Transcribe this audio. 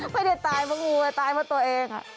ไม่ได้ตายเพราะงูตายเพราะตัวเอง